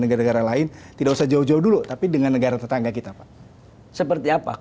negara negara lain tidak usah jauh jauh dulu tapi dengan negara tetangga kita pak seperti apa